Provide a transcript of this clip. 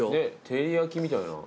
照り焼きみたいな。